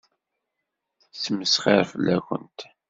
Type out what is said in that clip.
Tettmesxiṛ fell-akent.